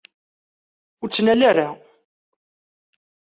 Ur ttnal ara.